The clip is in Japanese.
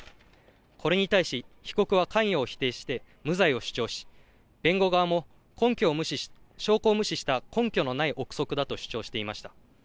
これに対し、被告は関与を否定して、無罪を主張し、弁護側も証拠を無視した根拠のない臆測だと主張していました。